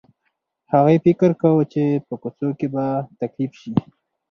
هغې فکر کاوه چې په کوڅو کې به تکليف شي.